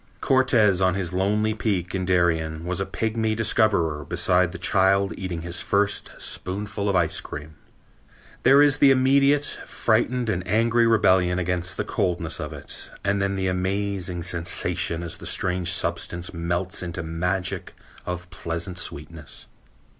Cortes on his lonely peak in Darien was a pigmy discoverer beside the child eating his first spoonful of ice cream. There is the immediate frightened and angry rebellion against the coldness of it, and then the amazing sensation as the strange substance melts into magic of pleasant sweetness.